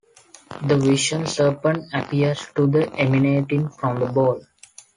The Vision Serpent appears to be emanating from the bowl.